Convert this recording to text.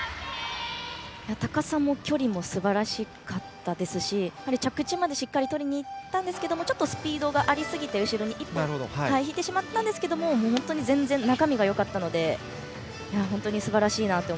高さも距離もすばらしかったですし着地までしっかりとりにいったんですけどちょっとスピードがありすぎて後ろに１歩引いてしまったんですけど中身がよかったので。